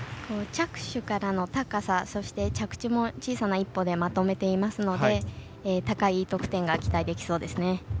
着手からの高さそして、着地も小さな１歩でまとめていますので高いＥ得点が期待できそうですね。